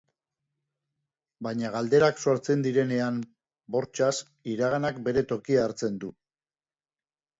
Baina galderak sortzen direnean, bortxaz, iraganak bere tokia hartzen du.